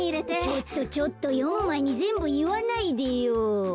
ちょっとちょっとよむまえにぜんぶいわないでよ。